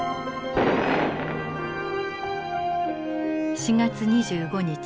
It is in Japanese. ４月２５日。